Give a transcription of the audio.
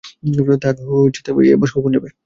তার এই অভ্যাস কখন যাবে।